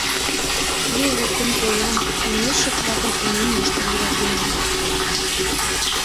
Юл воктен поян, помещик-влакын именийыштым йӱлатен улыт.